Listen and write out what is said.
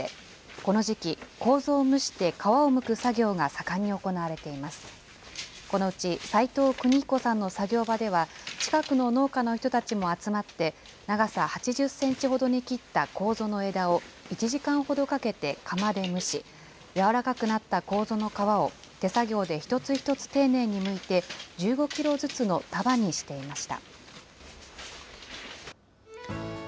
このうち、齋藤邦彦さんの作業場では、近くの農家の人たちも集まって、長さ８０センチほどに切ったこうぞの枝を１時間ほどかけて釜で蒸し、柔らかくなったこうぞの皮を手作業で一つ一つ丁寧にむいて、１５キロずつの束にしていました。